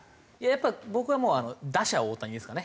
やっぱ僕は打者大谷ですかね。